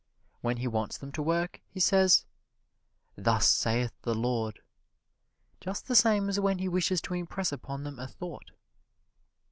When he wants them to work, he says, "Thus saith the Lord," just the same as when he wishes to impress upon them a thought.